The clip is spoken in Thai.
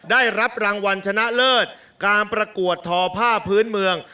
ได้รับรางวัลชนะเลิศการประกวดทอผ้าพื้นเมือง